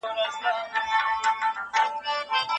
د ده مرحوم په کور کي وو. علامه بابا ته له پلار